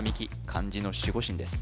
漢字の守護神です